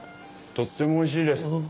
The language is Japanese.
とってもおいしいです。